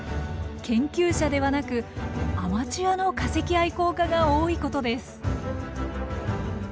研究者ではなくアマチュアの化石愛好家が多いことです。